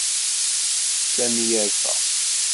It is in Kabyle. Sami yerfa.